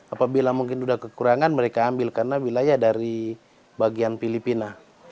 apabila mungkin sudah kekurangan mereka ambil karena wilayah dari bagian filipina